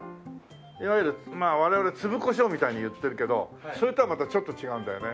いわゆる我々粒胡椒みたいに言ってるけどそれとはまたちょっと違うんだよね。